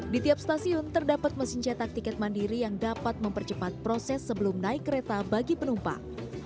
di tiap stasiun terdapat mesin cetak tiket mandiri yang dapat mempercepat proses sebelum naik kereta bagi penumpang